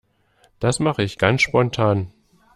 Das mache ich ganz spontan.